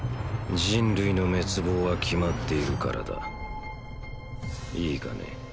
人類の滅亡は決まっているからだいいかね